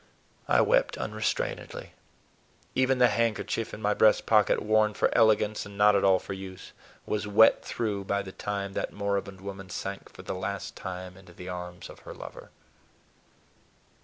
I wept unrestrainedly. Even the handkerchief in my breast pocket, worn for elegance and not at all for use, was wet through by the time that moribund woman sank for the last time into the arms of her lover.